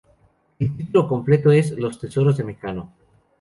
El título completo es ""Los tesoros de Mecano.